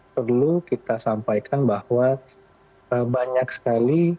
perlu kita sampaikan bahwa banyak sekali